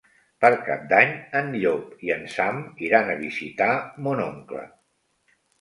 Per Cap d'Any en Llop i en Sam iran a visitar mon oncle.